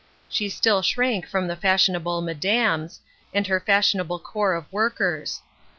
She still shrank from the fas^hion al)le "Madame's," and her fashionable corps oi workers.